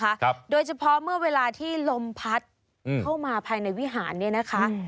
ครับโดยเฉพาะเมื่อเวลาที่ลมพัดอืมเข้ามาภายในวิหารเนี้ยนะคะอืม